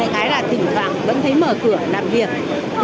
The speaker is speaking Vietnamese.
cái là thỉnh thoảng vẫn thấy mở cửa làm việc